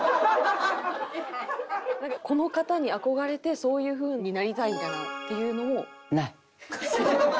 この方に憧れてそういうふうになりたいみたいなっていうのも？